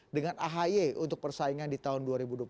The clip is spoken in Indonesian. dengan ahy untuk persaingan di tahun dua ribu dua puluh empat